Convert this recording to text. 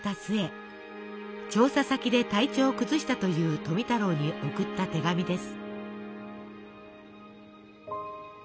調査先で体調を崩したという富太郎に送った手紙です。